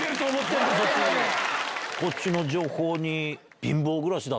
こっちの情報に。